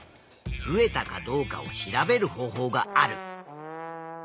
増えたかどうかを調べる方法がある。